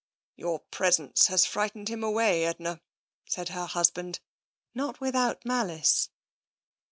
" Your presence has frightened him away, Edna," said her husband, not without malice.